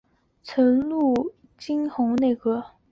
曾进入金弘集内阁。